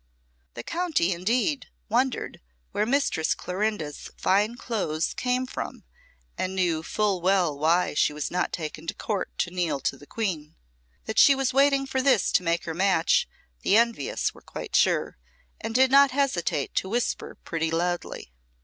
The county, indeed, wondered where Mistress Clorinda's fine clothes came from, and knew full well why she was not taken to court to kneel to the Queen. That she was waiting for this to make her match, the envious were quite sure, and did not hesitate to whisper pretty loudly.